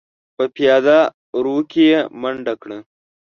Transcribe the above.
په پياده رو کې يې منډه کړه.